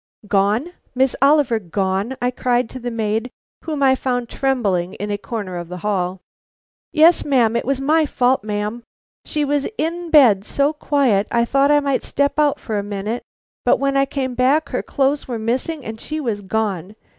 "Gone? Miss Oliver gone?" I cried to the maid whom I found trembling in a corner of the hall. "Yes, ma'am; it was my fault, ma'am. She was in bed so quiet, I thought I might step out for a minute, but when I came back her clothes were missing and she was gone.